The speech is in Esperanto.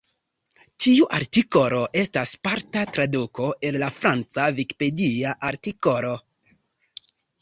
Tiu artikolo estas parta traduko el la franca Vikipedia artikolo.